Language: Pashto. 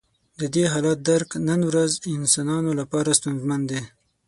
د دې حالت درک نن ورځ انسانانو لپاره ستونزمن دی.